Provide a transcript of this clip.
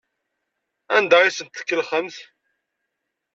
Anda ay asen-tkellxemt?